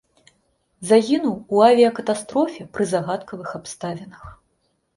Загінуў у авіякатастрофе пры загадкавых абставінах.